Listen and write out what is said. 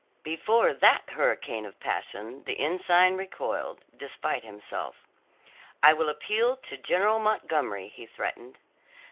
Before that hurricane of passion the ensign recoiled, despite himself. "I will appeal to General Montgomery," he threatened.